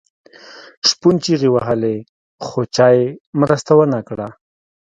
شپون چیغې وهلې خو چا یې مرسته ونه کړه.